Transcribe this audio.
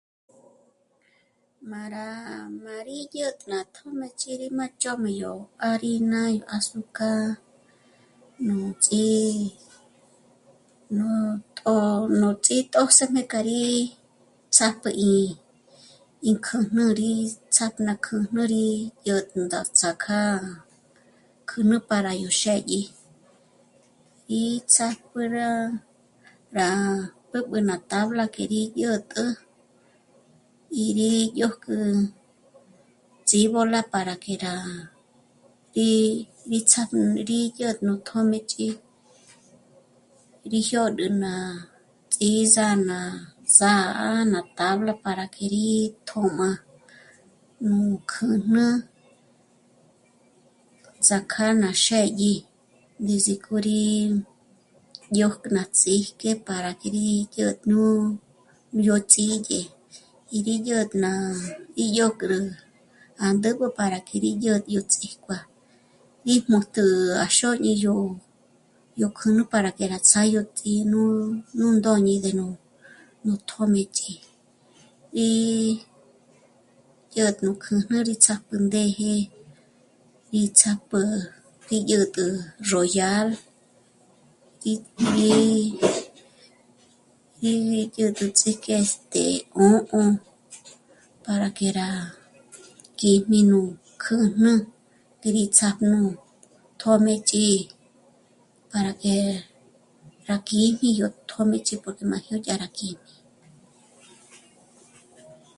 Má rá... má rí... dyä̀t'ä ná tjö́mëch'i 'í rí má ch'ö̌m'a yó harina, azúcar, nú ts'í..., nú tjṓ'ō, nú ts'í tjṓsëjme k'a rí sájpjü í'i ínkjǘjnü rí ts'á'a kjǘjnü rí yó ndóts'ak'a kjǘjnü para yó xë́dyi y ts'ájpü rá... rá... b'ǚ'b'ü ná tabla k'e rí dyä̀t'ä y rí dyójk'ü ts'íbola para que rá... rí... rí ts'ájpjü rí dyä̀t'ä nú tjö́mëch'i rí jyôd'ü ná ts'ízǎn'a sà'a ná tabla para que rí tjö̌m'a nú kjǘjnü ts'ák'a ná xë́dyi ngís'i k'o rí dyòj' ná ts'íjk'e para que rí dyä̀t'ä nú ts'ídyë y rí dyä̀t'ä ná... í dyó'krü à ndǚb'ü para que rí dyó' yó ts'íjkjuá'a. Í mojtjü à xôñi yó... yó kjǘjnü para que rá ts'â'a yó tjí'i nú ndôñi ndé nú... nú tjö́mëch'i y dyä̀t'ä nú kjǘjnü rí ts'ápjü ndéje rí ts'ápjü rí dyä̀t'ä Royal, rí, rí, rí dyä̀t'ä ts'ijk'e este... 'ū́'ū para que rá kjíjmu nú kjǘjnü rí ts'ápjü nú tjö́mëch'i para que rá kjíjmi yó tjö́mëch'i porque má jyä̀'ä yá rá kjíjmi